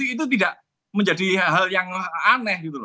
itu tidak menjadi hal yang aneh